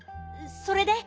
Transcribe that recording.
それで？